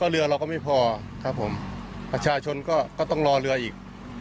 เรือเราก็ไม่พอครับผมประชาชนก็ต้องรอเรืออีก